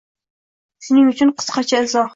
Shuning uchun qisqacha izoh.